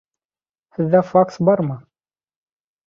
Һеҙҙә факс бармы?